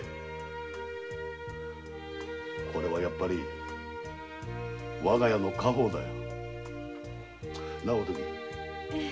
これはやっぱり我が家の家宝だよなぁおとき。